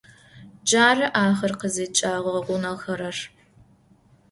Джары ахэр къызыкӏагъэгъунэхэрэр.